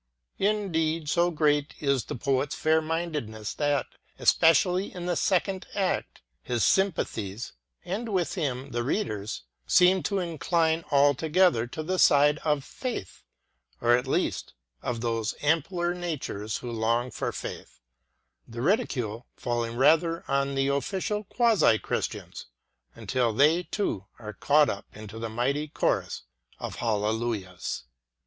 Indeed, so great is the poet's fair mindedness that, especially in the second act, his sympathies (and with him the read er's) seem to incline altogether to the side of Faith, or at least of those ampler natures who long for Faith, the ridicule falling rather on the oflScial quasi Christians ŌĆö ^until they, too, are caught up into the mighty chorus of hallelujahs.